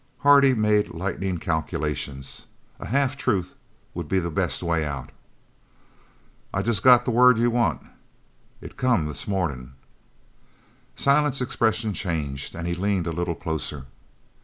Hardy made lightning calculations. A half truth would be the best way out. "I've just got the word you want. It come this morning." Silent's expression changed and he leaned a little closer.